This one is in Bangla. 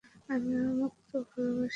আমিও মুক্তো ভালোবাসি।